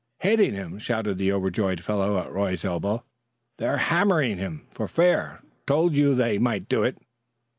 "Hitting him!" shouted the overjoyed fellow at Roy's elbow. "They're hammering him for fair. Told you they might do it."